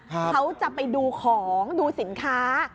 เขาจะไปดูของดูสินค้า